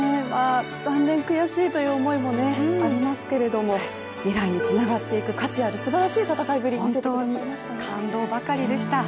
残念、悔しいという思いもありますけれども未来につながっていく価値あるすばらしい戦いぶりを見せてくれましたね。